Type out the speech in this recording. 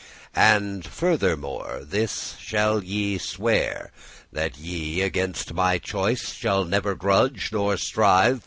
"And farthermore this shall ye swear, that ye Against my choice shall never grudge* nor strive.